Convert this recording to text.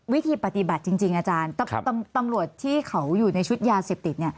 วิธีปฏิบัติจริงอาจารย์ตำรวจที่เขาอยู่ในชุดยาเสพติด